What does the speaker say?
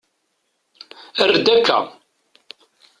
Err-d akka.